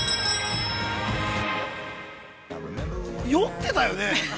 ◆酔ってたよね？